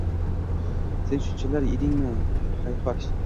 Sen shunchalar edingmi, hayhot